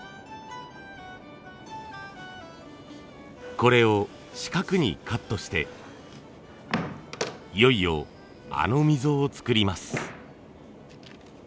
これを四角にカットしていよいよあの溝を作ります。